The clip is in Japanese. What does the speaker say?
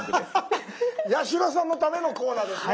八代さんのためのコーナーですね。